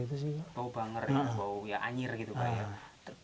bau banger bau anjir gitu pak